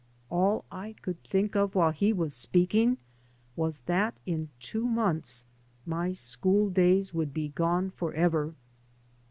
All I could think of while he was speaking was that in two months my school days would be gone forever.